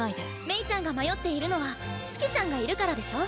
メイちゃんが迷っているのは四季ちゃんがいるからでしょ？